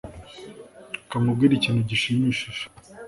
Reka nkubwire ikintu gishimishije.